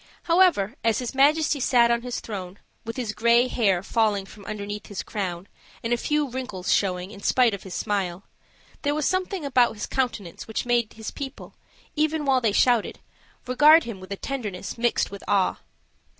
However, as his Majesty sat on his throne, with his gray hair falling from underneath his crown, and a few wrinkles showing in spite of his smile, there was something about his countenance which made his people, even while they shouted, regard him with a tenderness mixed with awe.